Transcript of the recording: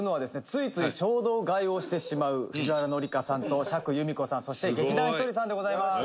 ついつい衝動買いをしてしまう藤原紀香さんと釈由美子さんそして劇団ひとりさんでございます」